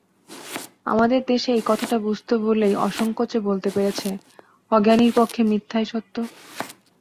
আমাদের দেশ এই কথাটা বুঝত বলেই অসংকোচে বলতে পেরেছে, অজ্ঞানীর পক্ষে মিথ্যাই সত্য।